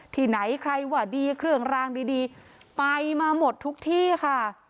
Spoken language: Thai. ที่ไหนใครว่าดีเครื่องรางดีไปมาหมดทุกที่ค่ะ